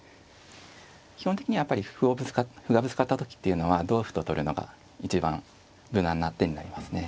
基本的にはやっぱり歩がぶつかった時っていうのは同歩と取るのが一番無難な手になりますね。